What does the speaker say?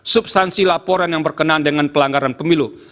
substansi laporan yang berkenaan dengan pelanggaran pemilu